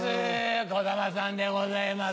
こだまさんでございます。